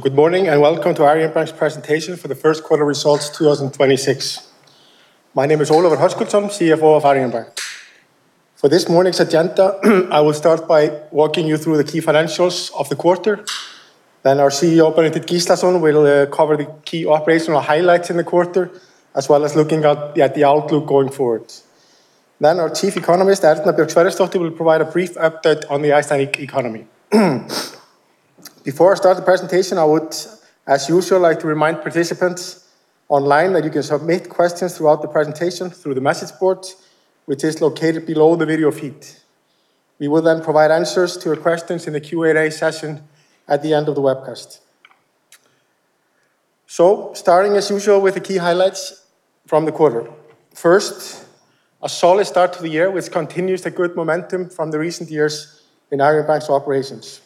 Good morning, and welcome to Arion Bank's presentation for the first quarter results 2026. My name is Ólafur Hrafn Höskuldsson, CFO of Arion Bank. For this morning's agenda, I will start by walking you through the key financials of the quarter. Our CEO, Benedikt Gíslason, will cover the key operational highlights in the quarter, as well as looking at the outlook going forward. Our Chief Economist, Erna Björg Sverrisdóttir, will provide a brief update on the Icelandic economy. Before I start the presentation, I would, as usual, like to remind participants online that you can submit questions throughout the presentation through the message board, which is located below the video feed. We will then provide answers to your questions in the Q&A session at the end of the webcast. Starting as usual with the key highlights from the quarter. A solid start to the year which continues the good momentum from the recent years in Arion Bank's operations.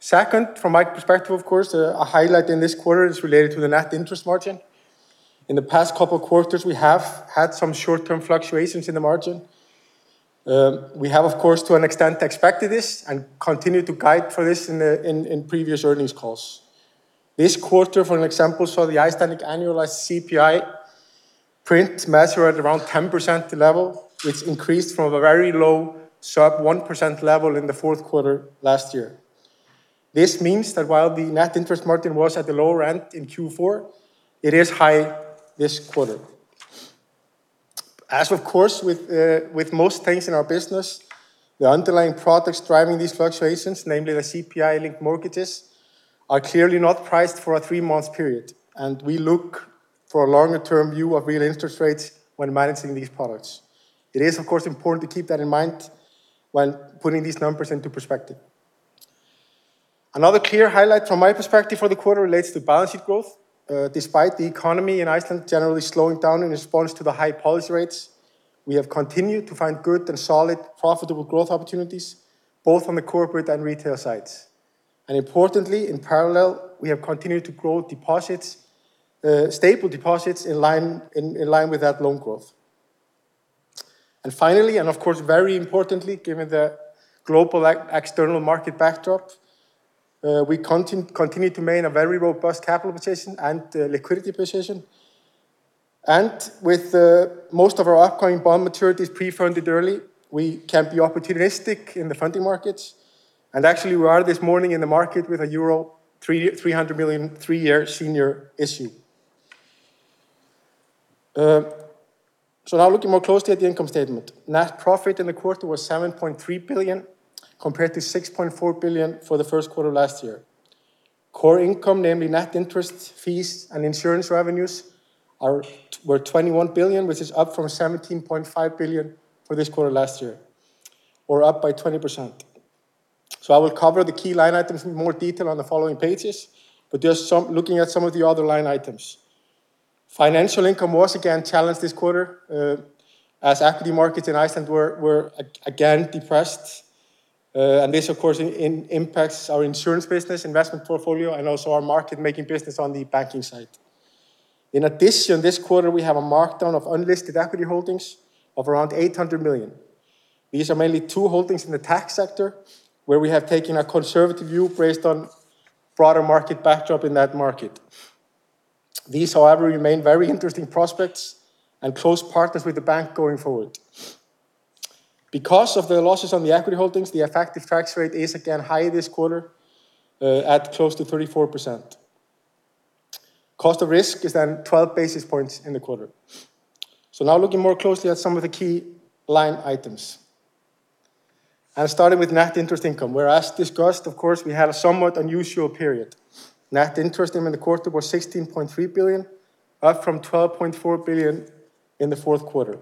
From my perspective, of course, a highlight in this quarter is related to the net interest margin. In the past couple quarters, we have had some short-term fluctuations in the margin. We have, of course, to an extent expected this and continued to guide for this in previous earnings calls. This quarter, for an example, saw the Icelandic annualized CPI print measure at around 10% level, which increased from a very low sub 1% level in the fourth quarter last year. This means that while the net interest margin was at the lower end in Q4, it is high this quarter. As of course, with most things in our business, the underlying products driving these fluctuations, namely the CPI-linked mortgages, are clearly not priced for a three-month period, and we look for a longer-term view of real interest rates when managing these products. It is, of course, important to keep that in mind when putting these numbers into perspective. Another clear highlight from my perspective for the quarter relates to balance sheet growth. Despite the economy in Iceland generally slowing down in response to the high policy rates, we have continued to find good and solid profitable growth opportunities both on the corporate and retail sides. Importantly, in parallel, we have continued to grow deposits, stable deposits in line with that loan growth. Finally, of course, very importantly, given the global external market backdrop, we continue to maintain a very robust capital position and liquidity position. With most of our upcoming bond maturities pre-funded early, we can be opportunistic in the funding markets. Actually, we are this morning in the market with a 300 million, three-year senior issue. Now looking more closely at the income statement. Net profit in the quarter was 7.3 billion compared to 6.4 billion for the first quarter last year. Core income, namely net interest, fees, and insurance revenues were 21 billion, which is up from 17.5 billion for this quarter last year or up by 20%. I will cover the key line items in more detail on the following pages, but just looking at some of the other line items. Financial income was again challenged this quarter, as equity markets in Iceland were again depressed. This of course impacts our insurance business investment portfolio and also our market making business on the banking side. In addition, this quarter, we have a markdown of unlisted equity holdings of around 800 million. These are mainly two holdings in the tech sector, where we have taken a conservative view based on broader market backdrop in that market. These, however, remain very interesting prospects and close partners with the bank going forward. Because of the losses on the equity holdings, the effective tax rate is again high this quarter, at close to 34%. Cost of risk is down 12 basis points in the quarter. Now looking more closely at some of the key line items and starting with net interest income, where, as discussed, of course, we had a somewhat unusual period. Net interest income in the quarter was 16.3 billion, up from 12.4 billion in the fourth quarter.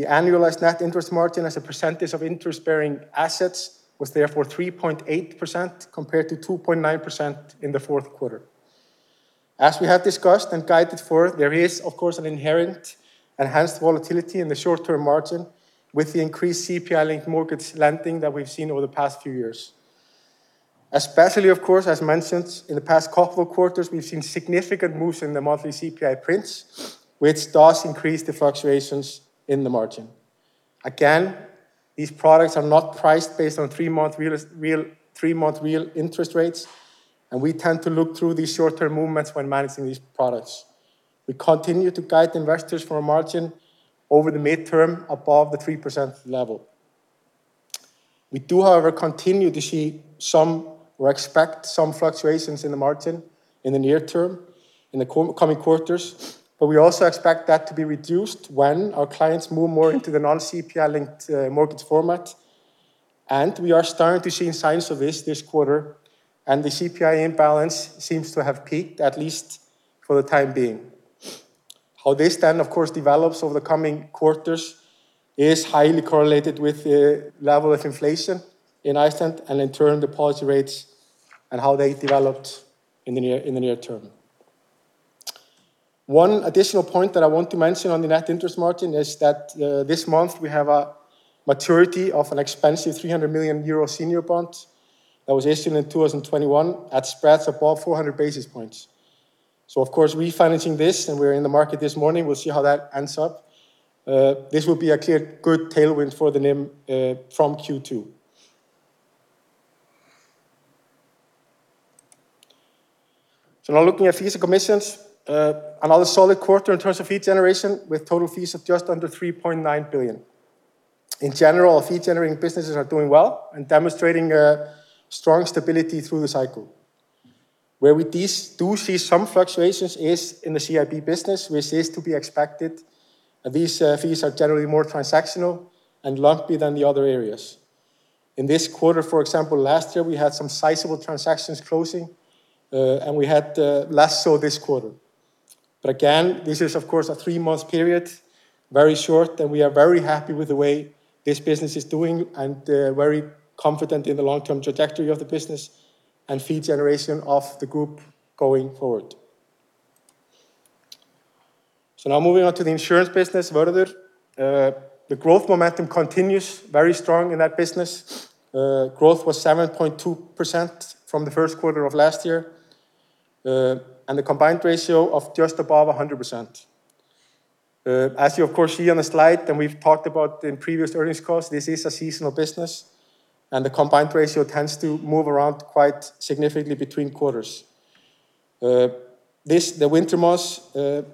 The annualized net interest margin as a percentage of interest-bearing assets was therefore 3.8% compared to 2.9% in the fourth quarter. As we have discussed and guided for, there is of course, an inherent enhanced volatility in the short-term margin with the increased CPI-linked mortgage lending that we've seen over the past few years. Especially, of course, as mentioned, in the past couple quarters, we've seen significant moves in the monthly CPI prints, which does increase the fluctuations in the margin. These products are not priced based on three-month real interest rates, and we tend to look through these short-term movements when managing these products. We continue to guide investors for a margin over the midterm above the 3% level. We do, however, continue to see some, or expect some fluctuations in the margin in the near term, in the coming quarters, but we also expect that to be reduced when our clients move more into the non-CPI-linked mortgage format. We are starting to see signs of this this quarter, and the CPI imbalance seems to have peaked, at least for the time being. How this, of course, develops over the coming quarters is highly correlated with the level of inflation in Iceland and in turn the policy rates and how they developed in the near term. One additional point that I want to mention on the net interest margin is that this month we have a maturity of an expensive 300 million Euro senior bond that was issued in 2021 at spreads above 400 basis points. Of course, refinancing this, and we're in the market this morning, we'll see how that ends up. This will be a clear good tailwind for the NIM from Q2. Now looking at fees and commissions, another solid quarter in terms of fee generation with total fees of just under 3.9 billion. In general, fee generating businesses are doing well and demonstrating a strong stability through the cycle. Where we these do see some fluctuations is in the CIB business, which is to be expected. These fees are generally more transactional and lumpier than the other areas. In this quarter, for example, last year, we had some sizable transactions closing, and we had less so this quarter. Again, this is of course a three-month period, very short, and we are very happy with the way this business is doing and very confident in the long-term trajectory of the business and fee generation of the group going forward. Now moving on to the insurance business, Vörður. The growth momentum continues very strong in that business. Growth was 7.2% from the first quarter of last year, and a combined ratio of just above 100%. As you of course see on the slide, and we've talked about in previous earnings calls, this is a seasonal business, and the combined ratio tends to move around quite significantly between quarters. The winter months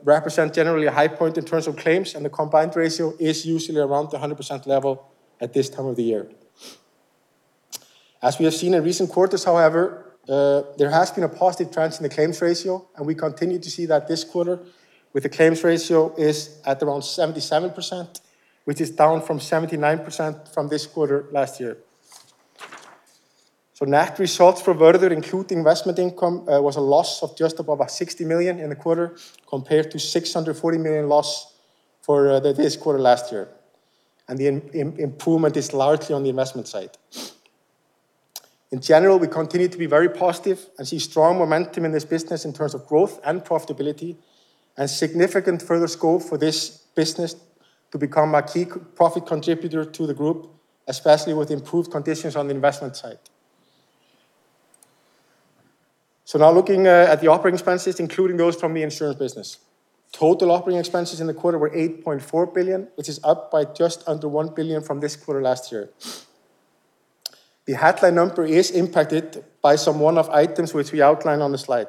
represent generally a high point in terms of claims, the combined ratio is usually around the 100% level at this time of the year. As we have seen in recent quarters, however, there has been a positive trend in the claims ratio, we continue to see that this quarter with the claims ratio is at around 77%, which is down from 79% from this quarter last year. Net results for Vörður, including investment income, was a loss of just above 60 million in the quarter, compared to 640 million loss for this quarter last year. The improvement is largely on the investment side. In general, we continue to be very positive and see strong momentum in this business in terms of growth and profitability, and significant further scope for this business to become a key profit contributor to the Arion Group, especially with improved conditions on the investment side. Now looking at the operating expenses, including those from the insurance business. Total operating expenses in the quarter were 8.4 billion, which is up by just under 1 billion from this quarter last year. The headline number is impacted by some one-off items which we outline on the slide,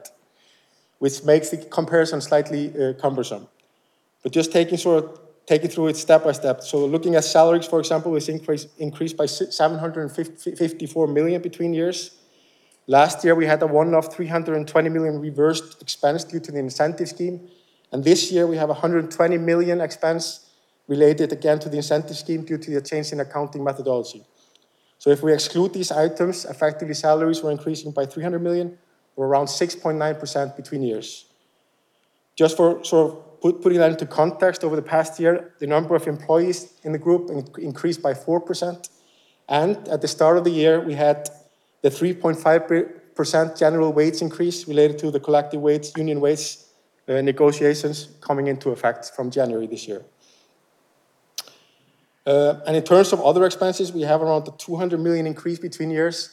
which makes the comparison slightly cumbersome. Just taking through it step by step. Looking at salaries, for example, which increased by 754 million between years. Last year, we had a one-off 320 million reversed expense due to the incentive scheme. This year we have 120 million expense related again to the incentive scheme due to the change in accounting methodology. If we exclude these items, effectively salaries were increasing by 300 million, or around 6.9% between years. Just for sort of putting that into context, over the past year, the number of employees in the group increased by 4%. At the start of the year, we had the 3.5% general wage increase related to the collective wage, union wage, negotiations coming into effect from January this year. In terms of other expenses, we have around an 200 million increase between years,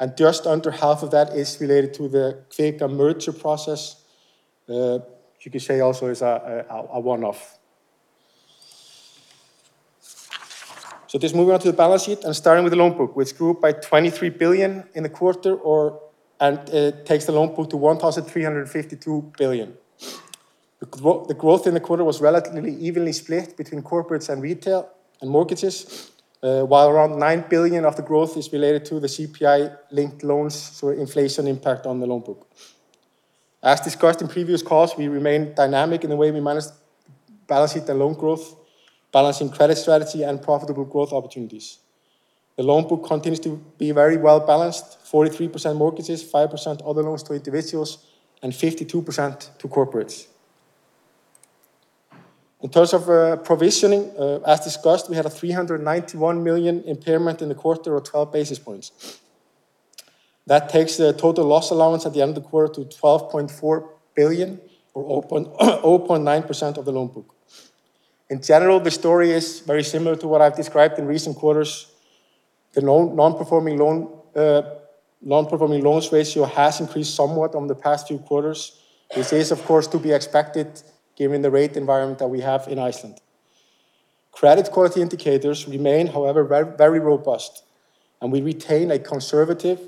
and just under half of that is related to the Kvika merger process, which you could say also is a one-off. Just moving on to the balance sheet and starting with the loan book, which grew up by 23 billion in the quarter, and it takes the loan book to 1,352 billion. The growth in the quarter was relatively evenly split between corporates and retail and mortgages, while around 9 billion of the growth is related to the CPI-linked loans through inflation impact on the loan book. As discussed in previous calls, we remain dynamic in the way we manage balance sheet and loan growth, balancing credit strategy and profitable growth opportunities. The loan book continues to be very well-balanced, 43% mortgages, 5% other loans to individuals, and 52% to corporates. In terms of provisioning, as discussed, we had a 391 million impairment in the quarter or 12 basis points. That takes the total loss allowance at the end of the quarter to 12.4 billion or 0.9% of the loan book. In general, the story is very similar to what I've described in recent quarters. The non-performing loans ratio has increased somewhat on the past few quarters. This is of course to be expected given the rate environment that we have in Iceland. Credit quality indicators remain, however, very robust, and we retain a conservative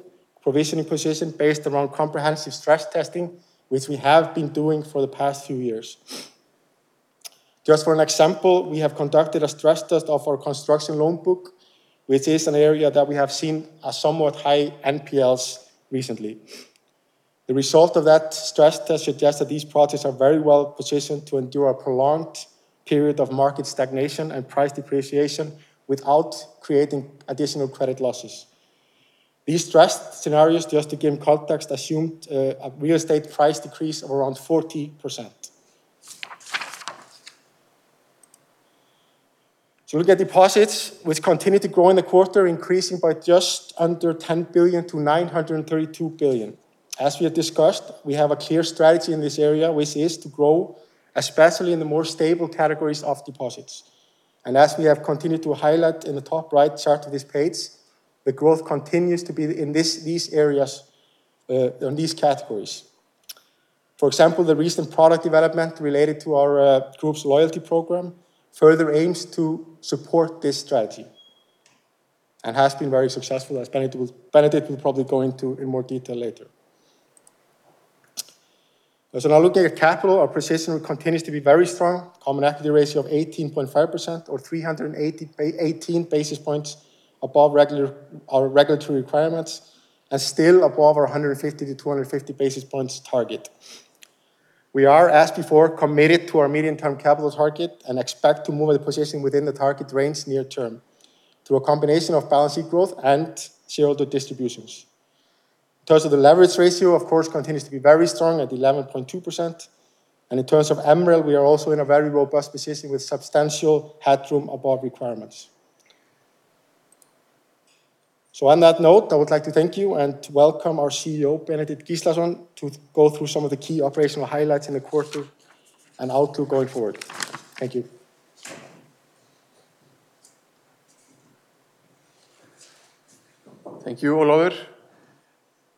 provisioning position based around comprehensive stress testing, which we have been doing for the past few years. Just for an example, we have conducted a stress test of our construction loan book, which is an area that we have seen a somewhat high NPLs recently. The result of that stress test suggests that these projects are very well positioned to endure a prolonged period of market stagnation and price depreciation without creating additional credit losses. These stress scenarios, just to give context, assumed a real estate price decrease of around 40%. Looking at deposits, which continued to grow in the quarter, increasing by just under 10 billion-932 billion. As we have discussed, we have a clear strategy in this area, which is to grow, especially in the more stable categories of deposits. As we have continued to highlight in the top right chart of this page, the growth continues to be in these areas on these categories. For example, the recent product development related to our group's loyalty program further aims to support this strategy, and has been very successful, as Benedikt Gíslason will probably go into in more detail later. Now looking at capital, our position continues to be very strong. Common equity ratio of 18.5% or 318 basis points above our regulatory requirements, and still above our 150-250 basis points target. We are, as before, committed to our medium-term capital target and expect to move the position within the target range near term through a combination of balance sheet growth and shareholder distributions. In terms of the leverage ratio, of course, continues to be very strong at 11.2%. In terms of MREL, we are also in a very robust position with substantial headroom above requirements. On that note, I would like to thank you and welcome our CEO, Benedikt Gíslason, to go through some of the key operational highlights in the quarter and outlook going forward. Thank you. Thank you, Ólafur.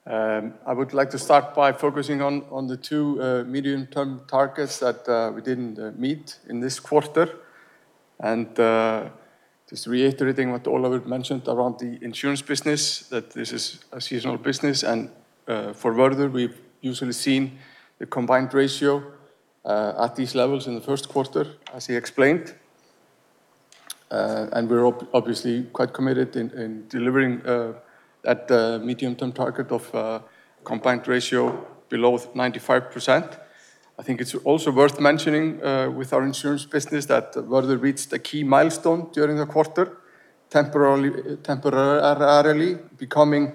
I would like to start by focusing on the two medium-term targets that we didn't meet in this quarter. Just reiterating what Ólafur mentioned around the insurance business, that this is a seasonal business and for Vörður, we've usually seen the combined ratio at these levels in the first quarter, as he explained. We're obviously quite committed in delivering at the medium-term target of a combined ratio below 95%. I think it's also worth mentioning with our insurance business that Vörður reached a key milestone during the quarter, temporarily becoming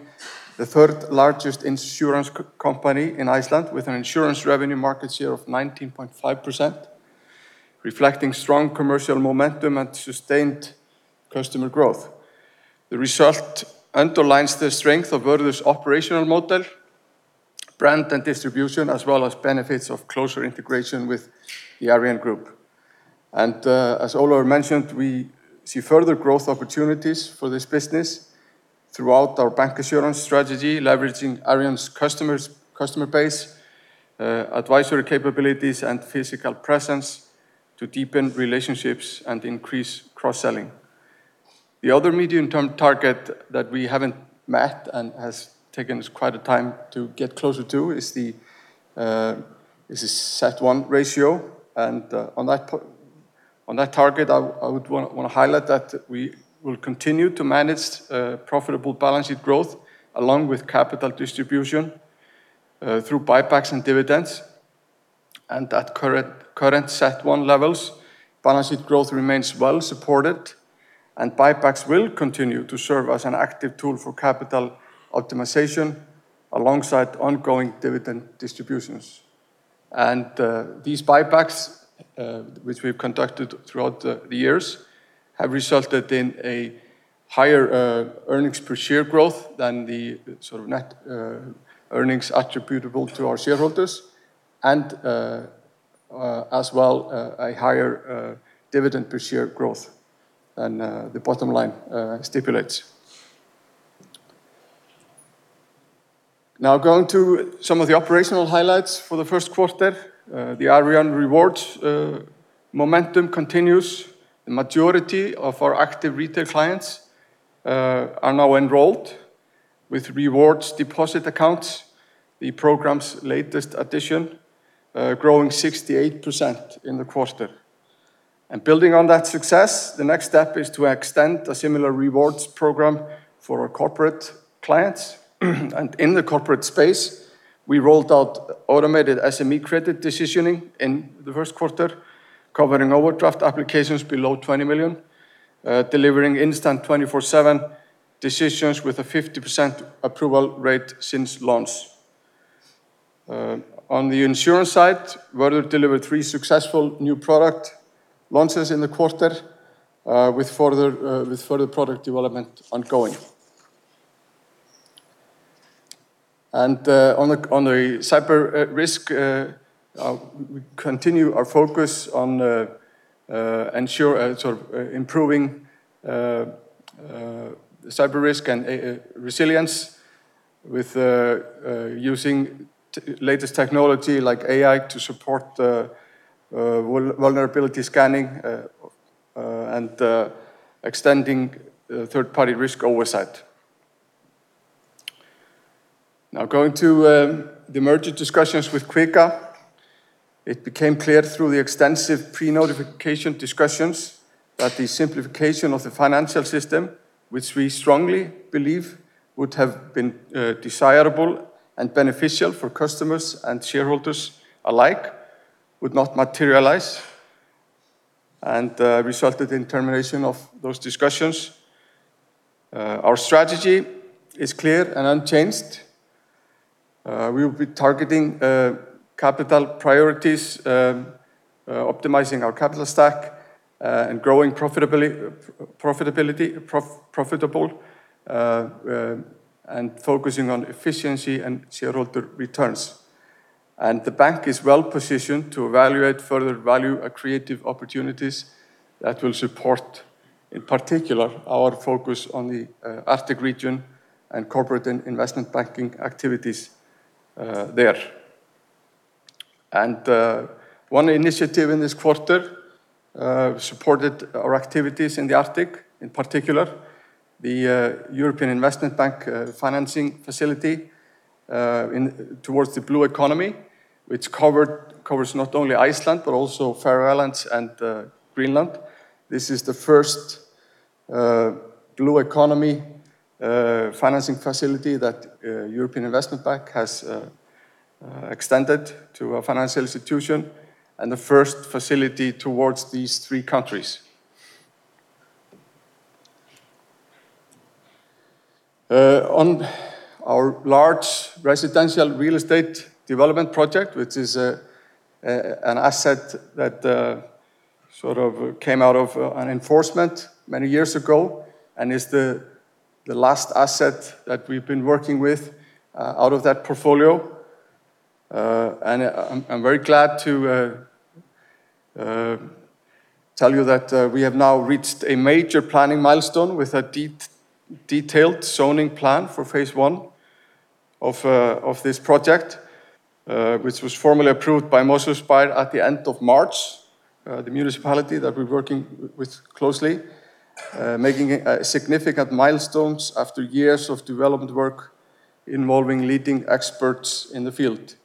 the third largest insurance company in Iceland with an insurance revenue market share of 19.5%, reflecting strong commercial momentum and sustained customer growth. The result underlines the strength of Vörður's operational model, brand, and distribution, as well as benefits of closer integration with the Arion Group. As Ólafur mentioned, we see further growth opportunities for this business throughout our bank insurance strategy, leveraging Arion's customer base, advisory capabilities, and physical presence to deepen relationships and increase cross-selling. The other medium-term target that we haven't met and has taken us quite a time to get closer to is the CET1 ratio. On that target, I wanna highlight that we will continue to manage profitable balance sheet growth along with capital distribution through buybacks and dividends. At current CET1 levels, balance sheet growth remains well supported, and buybacks will continue to serve as an active tool for capital optimization alongside ongoing dividend distributions. These buybacks, which we've conducted throughout the years, have resulted in a higher earnings per share growth than the sort of net earnings attributable to our shareholders and as well a higher dividend per share growth than the bottom line stipulates. Now, going to some of the operational highlights for the first quarter. The Arion Rewards momentum continues. The majority of our active retail clients are now enrolled with rewards deposit accounts, the program's latest addition, growing 68% in the quarter. Building on that success, the next step is to extend a similar rewards program for our corporate clients. In the corporate space, we rolled out automated SME credit decisioning in the first quarter, covering overdraft applications below 20 million, delivering instant 24/7 decisions with a 50% approval rate since launch. On the insurance side, Vörður delivered three successful new product launches in the quarter, with further product development ongoing. On the cyber risk, we continue our focus on ensure sort of improving cyber risk and resilience with using latest technology like AI to support vulnerability scanning and extending third-party risk oversight. Going to the merger discussions with Kvika. It became clear through the extensive pre-notification discussions that the simplification of the financial system, which we strongly believe would have been desirable and beneficial for customers and shareholders alike, would not materialize and resulted in termination of those discussions. Our strategy is clear and unchanged. We will be targeting capital priorities, optimizing our capital stack, and growing profitability, and focusing on efficiency and shareholder returns. The bank is well positioned to evaluate further value and creative opportunities that will support, in particular, our focus on the Arctic region and corporate and investment banking activities there. One initiative in this quarter supported our activities in the Arctic, in particular, the European Investment Bank financing facility towards the blue economy, which covers not only Iceland, but also Faroe Islands and Greenland. This is the first blue economy financing facility that European Investment Bank has extended to a financial institution and the first facility towards these three countries. On our large residential real estate development project, which is an asset that sort of came out of an enforcement many years ago and is the last asset that we've been working with out of that portfolio. I'm very glad to tell you that we have now reached a major planning milestone with a detailed zoning plan for phase 1 of this project, which was formally approved by Mosfellsbær at the end of March, the municipality that we're working with closely, making significant milestones after years of development work involving leading experts in the field.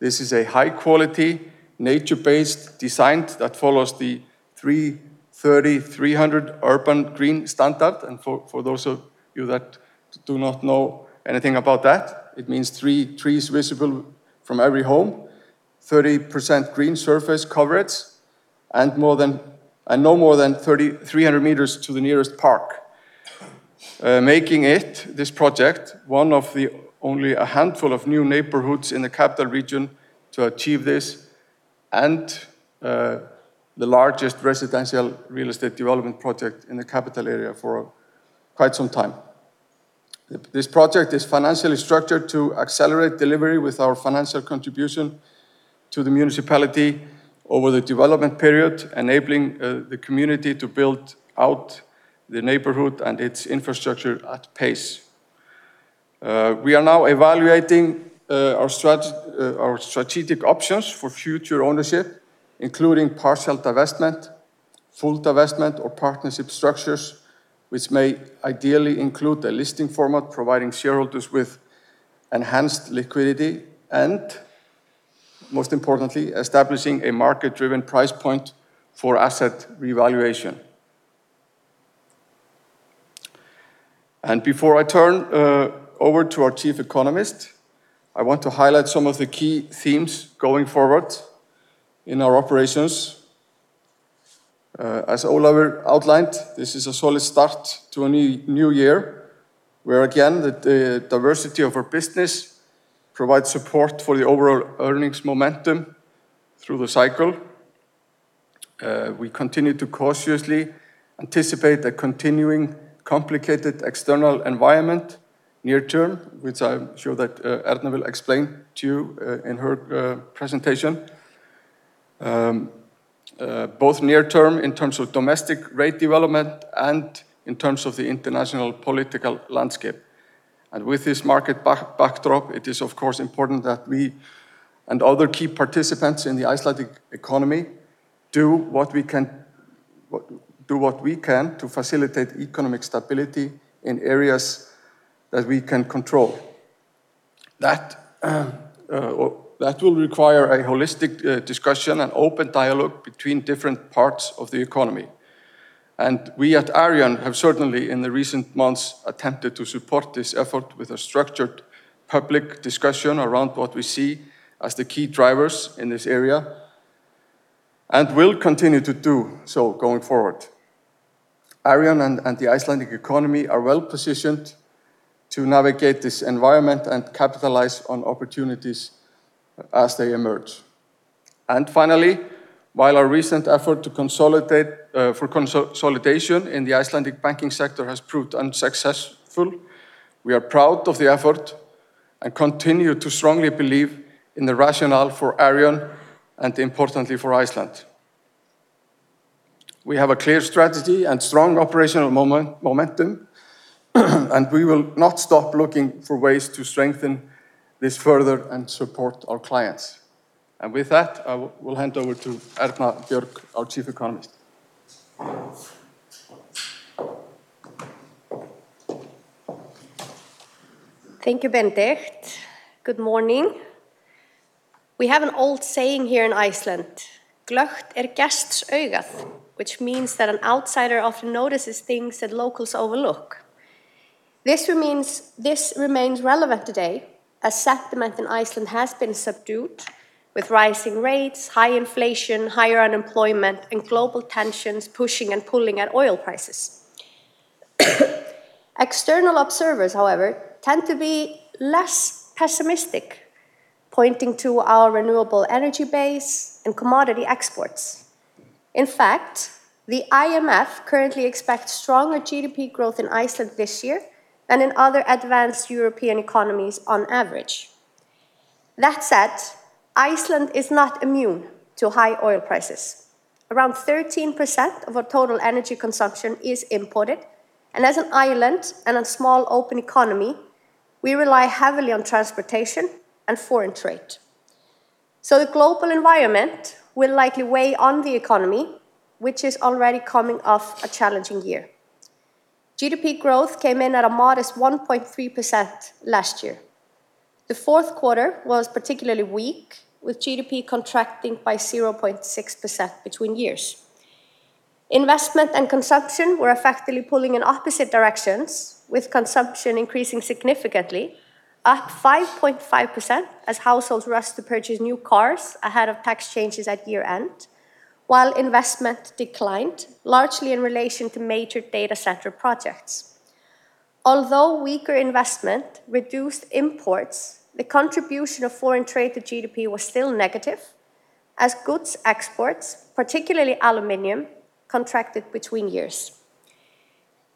This is a high quality, nature-based design that follows the 3 30, 300 urban green standard. For those of you that do not know anything about that, it means three trees visible from every home, 30% green surface coverage, and no more than 300 m to the nearest park. Making it, this project, one of the only a handful of new neighborhoods in the capital region to achieve this and, the largest residential real estate development project in the capital area for quite some time. This project is financially structured to accelerate delivery with our financial contribution to the municipality over the development period, enabling, the community to build out the neighborhood and its infrastructure at pace. We are now evaluating, our strategic options for future ownership, including partial divestment, full divestment, or partnership structures, which may ideally include a listing format providing shareholders with enhanced liquidity and, most importantly, establishing a market-driven price point for asset revaluation. Before I turn, over to our Chief Economist, I want to highlight some of the key themes going forward in our operations. As Ólafur outlined, this is a solid start to a new year, where again, the diversity of our business provides support for the overall earnings momentum through the cycle. We continue to cautiously anticipate a continuing complicated external environment near term, which I'm sure that Erna will explain to you in her presentation. Both near term in terms of domestic rate development and in terms of the international political landscape. With this market backdrop, it is of course important that we and other key participants in the Icelandic economy do what we can to facilitate economic stability in areas that we can control. That will require a holistic discussion and open dialogue between different parts of the economy. We at Arion have certainly, in the recent months, attempted to support this effort with a structured public discussion around what we see as the key drivers in this area and will continue to do so going forward. Arion and the Icelandic economy are well-positioned to navigate this environment and capitalize on opportunities as they emerge. Finally, while our recent effort to consolidate for consolidation in the Icelandic banking sector has proved unsuccessful, we are proud of the effort and continue to strongly believe in the rationale for Arion and importantly for Iceland. We have a clear strategy and strong operational momentum, and we will not stop looking for ways to strengthen this further and support our clients. With that, I will hand over to Erna Björg, our Chief Economist. Thank you, Benedikt. Good morning. We have an old saying here in Iceland, "Glöggt er gests augað," which means that an outsider often notices things that locals overlook. This remains relevant today, as sentiment in Iceland has been subdued, with rising rates, high inflation, higher unemployment, and global tensions pushing and pulling at oil prices. External observers, however, tend to be less pessimistic, pointing to our renewable energy base and commodity exports. In fact, the IMF currently expects stronger GDP growth in Iceland this year than in other advanced European economies on average. That said, Iceland is not immune to high oil prices. Around 13% of our total energy consumption is imported, and as an island and a small open economy, we rely heavily on transportation and foreign trade. The global environment will likely weigh on the economy, which is already coming off a challenging year. GDP growth came in at a modest 1.3% last year. The fourth quarter was particularly weak, with GDP contracting by 0.6% between years. Investment and consumption were effectively pulling in opposite directions, with consumption increasing significantly, up 5.5% as households rushed to purchase new cars ahead of tax changes at year-end, while investment declined, largely in relation to major data center projects. Although weaker investment reduced imports, the contribution of foreign trade to GDP was still negative, as goods exports, particularly aluminum, contracted between years.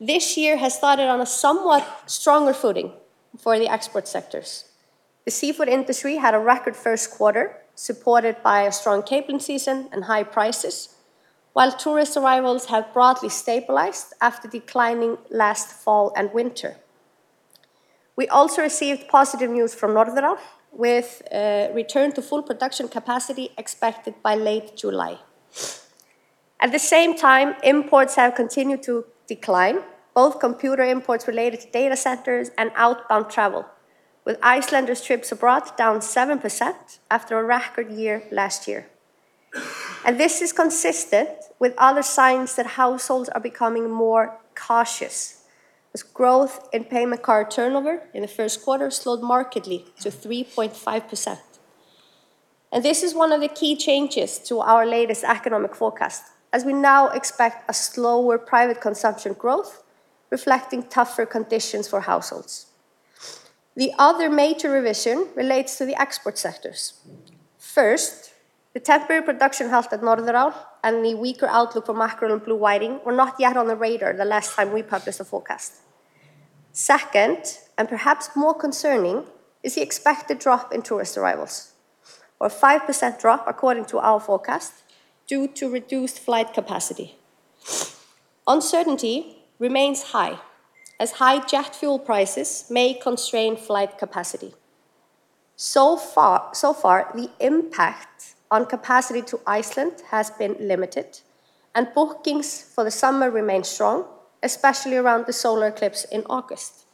This year has started on a somewhat stronger footing for the export sectors. The seafood industry had a record first quarter, supported by a strong capelin season and high prices, while tourist arrivals have broadly stabilized after declining last fall and winter. We also received positive news from Norðurál, with return to full production capacity expected by late July. At the same time, imports have continued to decline, both computer imports related to data centers and outbound travel, with Icelanders' trips abroad down 7% after a record year last year. This is consistent with other signs that households are becoming more cautious, as growth in payment card turnover in the first quarter slowed markedly to 3.5%. This is one of the key changes to our latest economic forecast, as we now expect a slower private consumption growth, reflecting tougher conditions for households. The other major revision relates to the export sectors. First, the temporary production halt at Norðurál and the weaker outlook for mackerel and blue whiting were not yet on the radar the last time we published a forecast. Second, and perhaps more concerning, is the expected drop in tourist arrivals, or a 5% drop according to our forecast, due to reduced flight capacity. Uncertainty remains high, as high jet fuel prices may constrain flight capacity. So far, the impact on capacity to Iceland has been limited, and bookings for the summer remain strong, especially around the solar eclipse in August.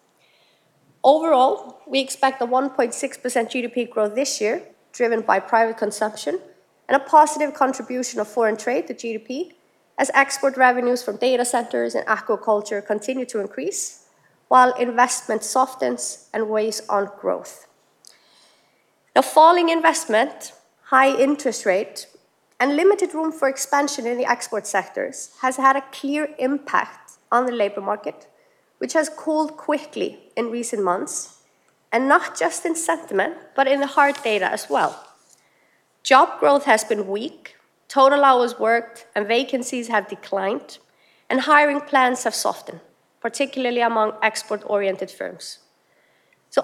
Overall, we expect a 1.6% GDP growth this year, driven by private consumption and a positive contribution of foreign trade to GDP, as export revenues from data centers and aquaculture continue to increase, while investment softens and weighs on growth. Falling investment, high interest rate, and limited room for expansion in the export sectors has had a clear impact on the labor market, which has cooled quickly in recent months, and not just in sentiment, but in the hard data as well. Job growth has been weak, total hours worked and vacancies have declined, and hiring plans have softened, particularly among export-oriented firms.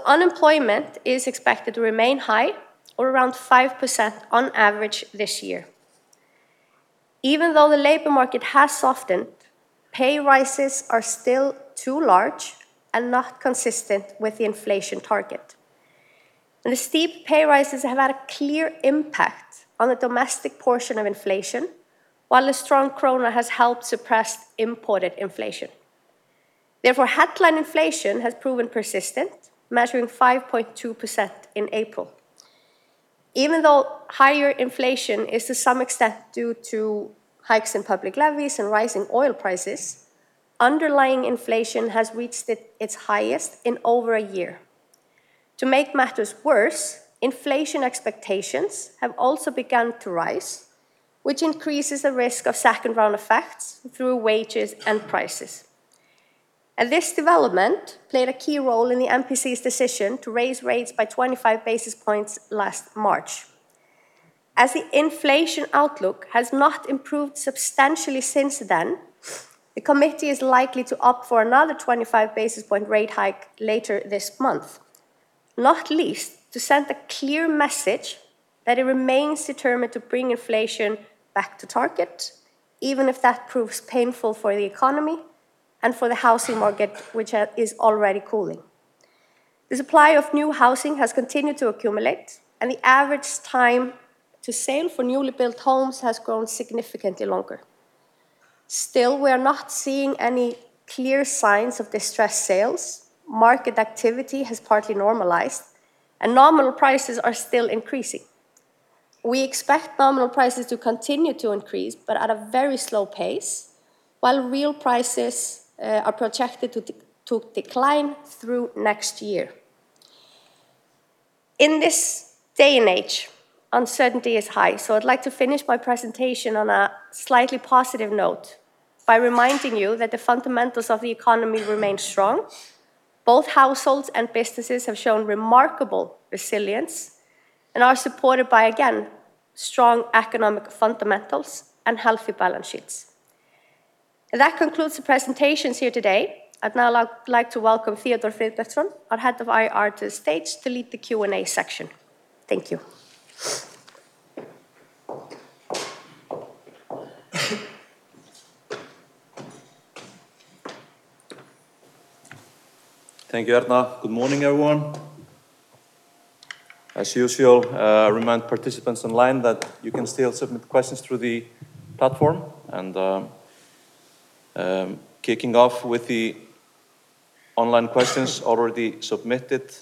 Unemployment is expected to remain high, or around 5% on average this year. Even though the labor market has softened, pay rises are still too large and not consistent with the inflation target. The steep pay rises have had a clear impact on the domestic portion of inflation, while a strong krona has helped suppress imported inflation. Therefore, headline inflation has proven persistent, measuring 5.2% in April. Even though higher inflation is to some extent due to hikes in public levies and rising oil prices, underlying inflation has reached its highest in over a year. To make matters worse, inflation expectations have also begun to rise, which increases the risk of second-round effects through wages and prices. This development played a key role in the MPC's decision to raise rates by 25 basis points last March. As the inflation outlook has not improved substantially since then, the committee is likely to opt for another 25 basis point rate hike later this month, not least to send a clear message that it remains determined to bring inflation back to target, even if that proves painful for the economy and for the housing market, which is already cooling. The supply of new housing has continued to accumulate, and the average time to sale for newly built homes has grown significantly longer. Still, we are not seeing any clear signs of distressed sales. Market activity has partly normalized, and nominal prices are still increasing. We expect nominal prices to continue to increase, but at a very slow pace, while real prices are projected to decline through next year. In this day and age, uncertainty is high. I'd like to finish my presentation on a slightly positive note by reminding you that the fundamentals of the economy remain strong. Both households and businesses have shown remarkable resilience and are supported by, again, strong economic fundamentals and healthy balance sheets. That concludes the presentations here today. I'd now like to welcome Theódór Friðbertsson, our Head of IR, to the stage to lead the Q&A section. Thank you. Thank you, Erna. Good morning, everyone. As usual, remind participants online that you can still submit questions through the platform. Kicking off with the online questions already submitted,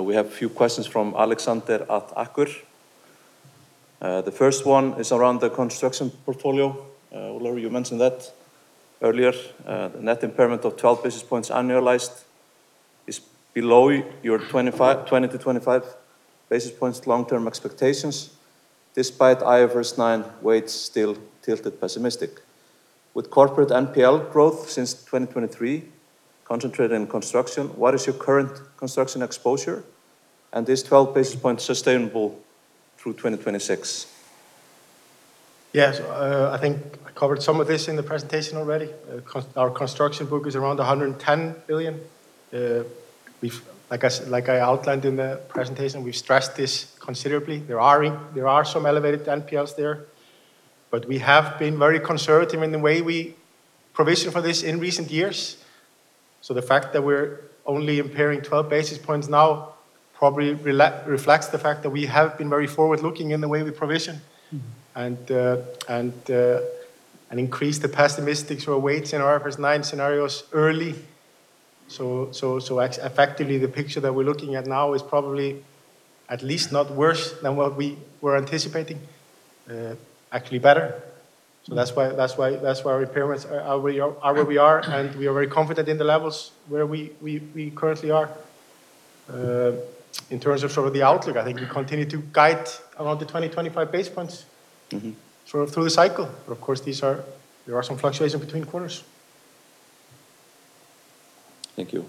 we have a few questions from Alexander at Akur. The first one is around the construction portfolio. Ólafur, you mentioned that earlier. The net impairment of 12 basis points annualized is below your 20-25 basis points long-term expectations despite IFRS 9 weights still tilted pessimistic. With corporate NPL growth since 2023 concentrated in construction, what is your current construction exposure? Is 12 basis points sustainable through 2026? Yes. I think I covered some of this in the presentation already. Our construction book is around 110 billion. Like I outlined in the presentation, we've stressed this considerably. There are some elevated NPLs there, but we have been very conservative in the way we provision for this in recent years. The fact that we're only impairing 12 basis points now probably reflects the fact that we have been very forward-looking in the way we provision. Increased the pessimistic sort of weights in our IFRS 9 scenarios early. Effectively, the picture that we're looking at now is probably at least not worse than what we were anticipating. Actually better. That's why our impairments are where we are, and we are very confident in the levels where we currently are. In terms of sort of the outlook, I think we continue to guide around the 20-25 base points. Through the cycle. Of course, there are some fluctuations between quarters. Thank you.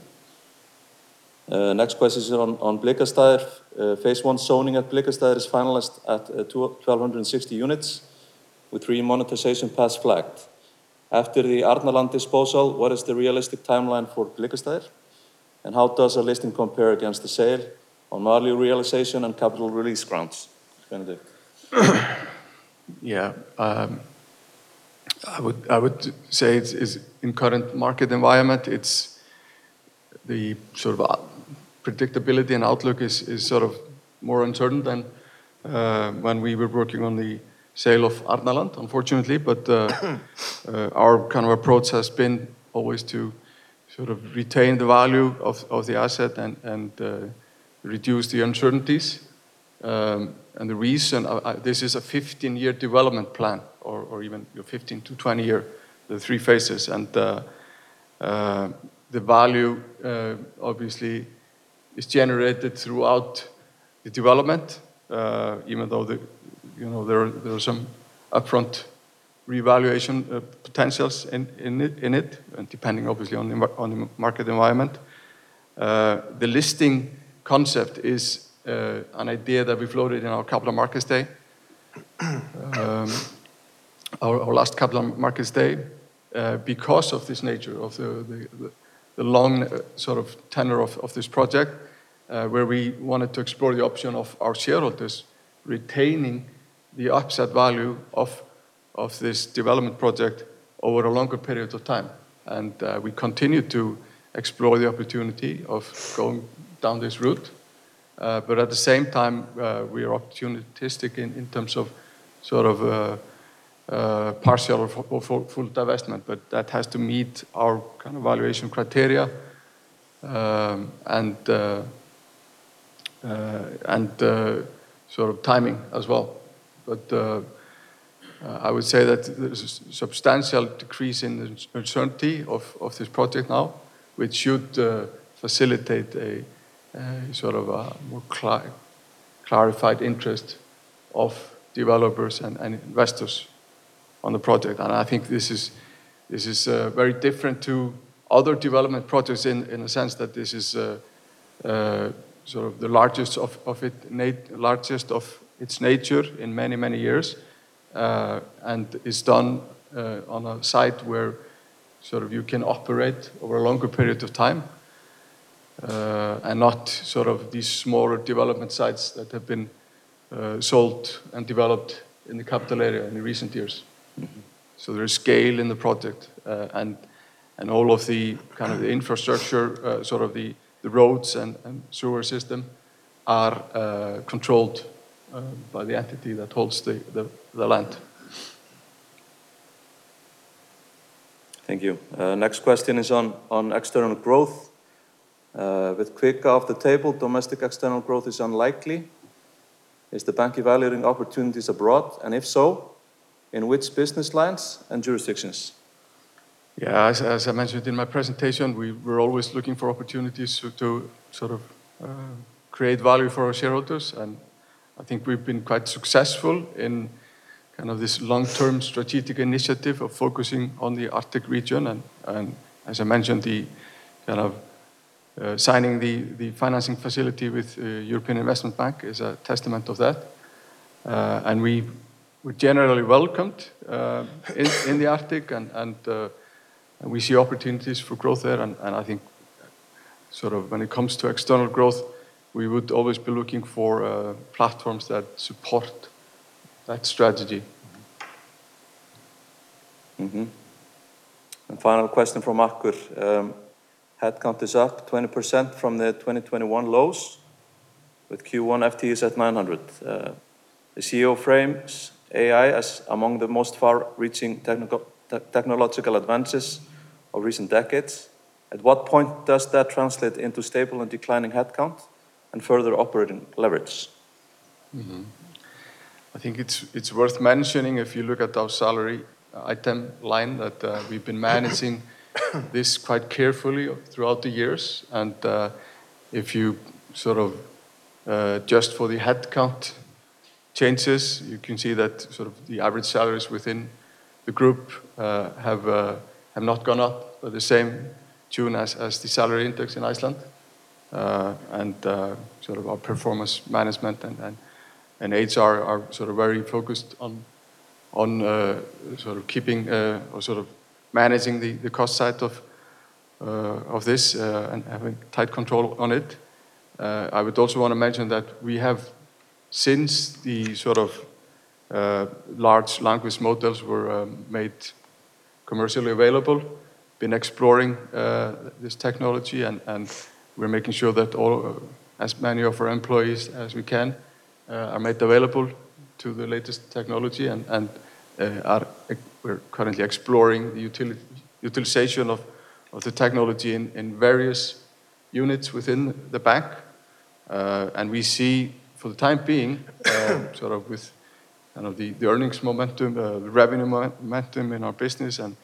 Next question is on Blikastaðir. Phase I zoning at Blikastaðir is finalized at 1,260 units with remonetization path flagged. After the Arnarlund disposal, what is the realistic timeline for Blikastaðir, and how does a listing compare against the sale on value realization and capital release grounds? Benedikt. Yeah. I would say it's in current market environment, it's the sort of predictability and outlook is sort of more uncertain than when we were working on the sale of Arnarlund, unfortunately. Our kind of approach has been always to sort of retain the value of the asset and reduce the uncertainties. The reason this is a 15-year development plan or even your 15-20 year, the three phases. The value obviously is generated throughout the development. Even though, you know, there are some upfront revaluation potentials in it, depending obviously on the market environment. The listing concept is an idea that we floated in our Capital Markets Day, our last Capital Markets Day, because of this nature of the long sort of tenure of this project, where we wanted to explore the option of our shareholders retaining the upside value of this development project over a longer period of time. We continue to explore the opportunity of going down this route. But at the same time, we are opportunistic in terms of sort of partial or full divestment, but that has to meet our kind of valuation criteria, and sort of timing as well. I would say that there's a substantial decrease in the uncertainty of this project now, which should facilitate a sort of a more clarified interest of developers and investors on the project. I think this is very different to other development projects in the sense that this is sort of the largest of its nature in many, many years. It's done on a site where sort of you can operate over a longer period of time, and not sort of these smaller development sites that have been sold and developed in the capital area in the recent years. There is scale in the project. All of the kind of the infrastructure, sort of the roads and sewer system are controlled by the entity that holds the land. Thank you. Next question is on external growth. With Kvika off the table, domestic external growth is unlikely. Is the bank evaluating opportunities abroad, and if so, in which business lines and jurisdictions? Yeah. As I mentioned in my presentation, we're always looking for opportunities to sort of create value for our shareholders. I think we've been quite successful in kind of this long-term strategic initiative of focusing on the Arctic region and as I mentioned, the kind of signing the financing facility with European Investment Bank is a testament of that. We're generally welcomed in the Arctic and we see opportunities for growth there and I think sort of when it comes to external growth, we would always be looking for platforms that support that strategy. Final question from [MarcKush]. Headcount is up 20% from the 2021 lows with Q1 FTEs at 900. The CEO frames AI as among the most far-reaching technological advances of recent decades. At what point does that translate into stable and declining headcount and further operating leverage? I think it's worth mentioning, if you look at our salary item line, that, we've been managing this quite carefully throughout the years and, if you sort of, adjust for the headcount changes, you can see that sort of the average salaries within the group, have not gone up at the same tune as the salary index in Iceland. Sort of our performance management and, and HR are sort of very focused on, sort of keeping, or sort of managing the cost side of this, and having tight control on it. I would also wanna mention that we have, since the sort of, large language models were made commercially available, been exploring this technology and we're making sure that all, as many of our employees as we can, are made available to the latest technology and, we're currently exploring the utilization of the technology in various units within the bank. We see for the time being, sort of with kind of the earnings momentum, the revenue momentum in our business and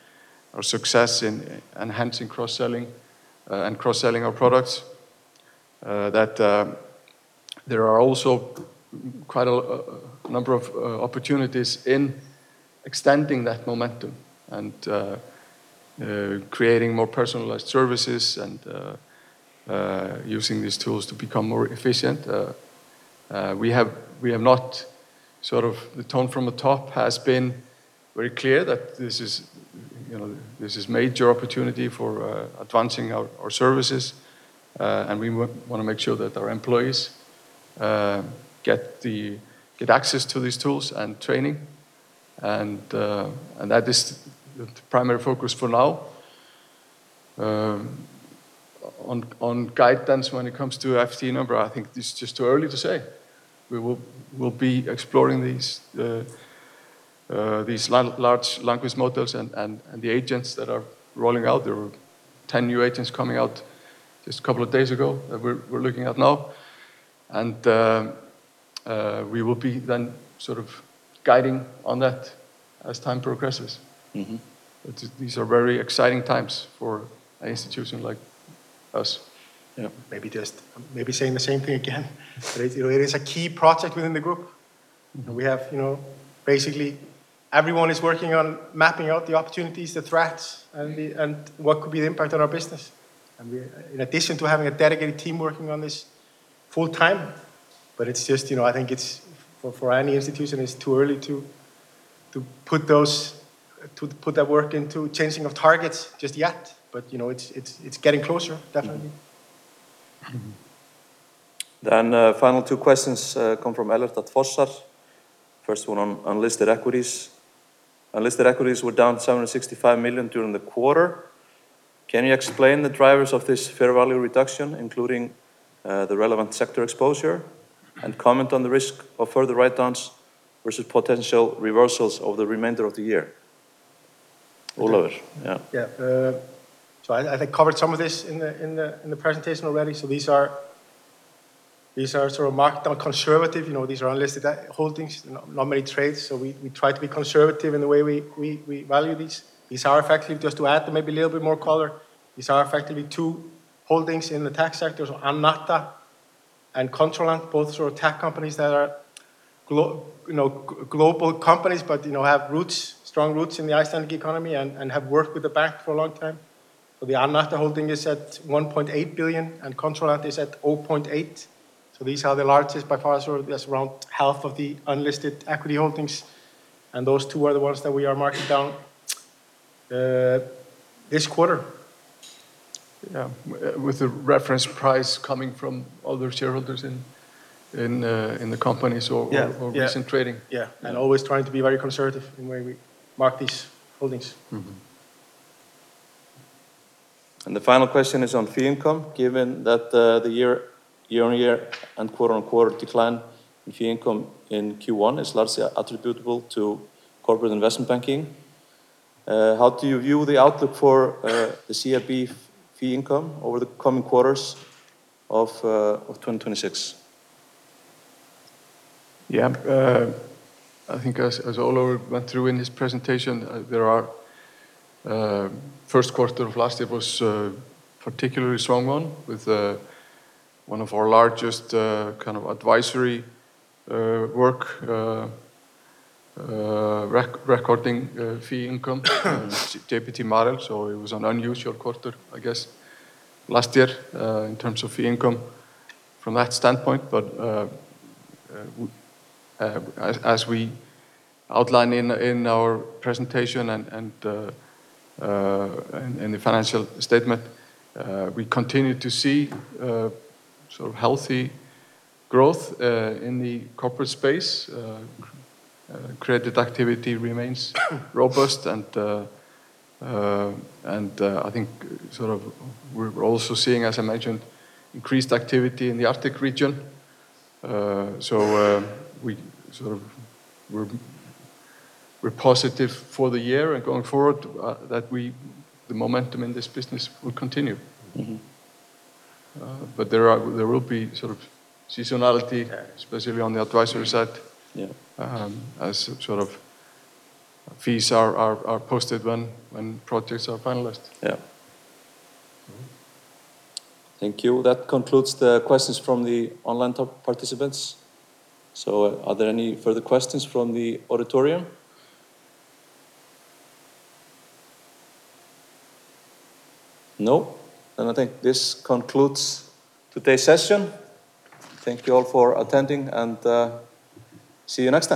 our success in enhancing cross-selling, and cross-selling our products, that there are also quite a number of opportunities in extending that momentum and, creating more personalized services and, using these tools to become more efficient. The tone from the top has been very clear that this is, you know, this is major opportunity for advancing our services. We wanna make sure that our employees get access to these tools and training and that is the primary focus for now. On guidance when it comes to FTE number, I think it's just too early to say. We will, we'll be exploring these large language models and the agents that are rolling out. There were 10 new agents coming out just a couple of days ago that we're looking at now. We will be then sort of guiding on that as time progresses. These are very exciting times for an institution like us. Yeah. Maybe just, maybe saying the same thing again. It, you know, it is a key project within the Group. We have, you know, basically everyone is working on mapping out the opportunities, the threats, and what could be the impact on our business. We, in addition to having a dedicated team working on this full time, but it's just, you know, I think it's, for any institution, it's too early to put those, to put that work into changing of targets just yet. You know, it's getting closer, definitely. Final two questions come from Ellert Hlöðversson. First one on unlisted equities. Unlisted equities were down 765 million during the quarter. Can you explain the drivers of this fair value reduction, including the relevant sector exposure, and comment on the risk of further write-downs versus potential reversals over the remainder of the year? Ólafur, yeah. Yeah. I think covered some of this in the presentation already. These are sort of marked down conservative. You know, these are unlisted holdings. Not many trades, so we try to be conservative in the way we value these. These are effectively, just to add maybe a little bit more color, these are effectively two holdings in the tech sector, Amnatra and Controlant, both sort of tech companies that are global companies, but, you know, have roots, strong roots in the Icelandic economy and have worked with the bank for a long time. The Amnatra holding is at 1.8 billion, and Controlant is at 0.8 billion. These are the largest by far, so that's around half of the unlisted equity holdings, and those 2 are the ones that we are marking down this quarter. Yeah. With the reference price coming from other shareholders in the company. Yeah, yeah. or recent trading. Yeah. We are always trying to be very conservative in the way we mark these holdings. The final question is on fee income. Given that the year-on-year and quarter-on-quarter decline in fee income in Q1 is largely attributable to corporate investment banking, how do you view the outlook for the CIB fee income over the coming quarters of 2026? Yeah. I think as Ólafur Hrafn Höskuldsson went through in his presentation, First quarter of last year was a particularly strong one with one of our largest kind of advisory work recording fee income JPT model, so it was an unusual quarter, I guess, last year in terms of fee income from that standpoint. As we outlined in our presentation and in the financial statement, we continue to see sort of healthy growth in the corporate space. Credit activity remains robust and I think sort of we're also seeing, as I mentioned, increased activity in the Arctic region. We're positive for the year and going forward, the momentum in this business will continue. There will be sort of seasonality. Yeah especially on the advisory side. Yeah As sort of fees are posted when projects are finalized. Yeah. Thank you. That concludes the questions from the online talk participants. Are there any further questions from the auditorium? No? I think this concludes today's session. Thank you all for attending and see you next time.